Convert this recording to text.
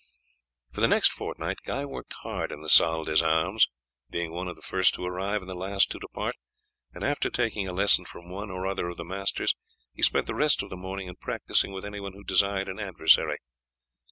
For the next fortnight Guy worked hard in the salle d'armes, being one of the first to arrive and the last to depart, and after taking a lesson from one or other of the masters he spent the rest of the morning in practising with anyone who desired an adversary.